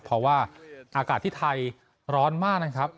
เพราะว่าอากาศที่ไทยร้อนมากนะครับ